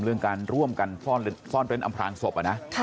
เรื่องการร่วมกันซ่อนเร้นอำพลางศพนะ